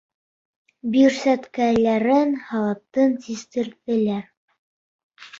Бирсәткәләрен, халатын систерҙеләр.